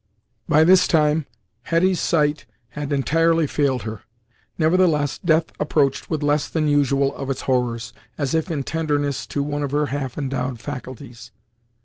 By this time Hetty's sight had entirely failed her. Nevertheless death approached with less than usual of its horrors, as if in tenderness to one of her half endowed faculties.